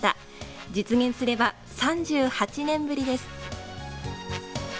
実現すれば３８年ぶりです。